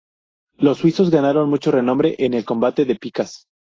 Los suizos ganaron mucho renombre en el combate de picas.